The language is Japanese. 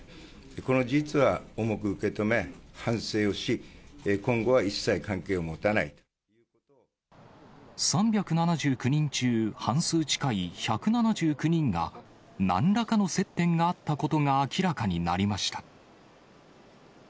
この事実は重く受け止め、反省を３７９人中、半数近い１７９人が、なんらかの接点があったことが明らかになりました。